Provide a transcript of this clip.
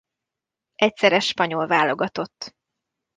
Egyszeres spanyol válogatott.